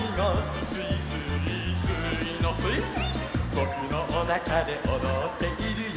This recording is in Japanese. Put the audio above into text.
「ぼくのおなかでおどっているよ」